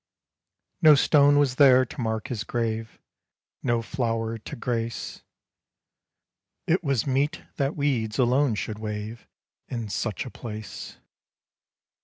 No stone was there to mark his grave, No flower to grace 'T was meet that weeds alone should wave In such a place.